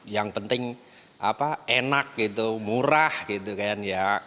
yang penting enak murah gitu kan